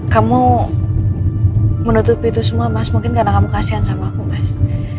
kamu menutupi itu semua mas mungkin karena kamu kasihan sama aku mas